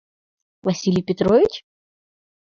Василий Петрович?